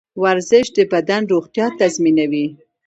ورزش د بدن روغتیا تضمینوي.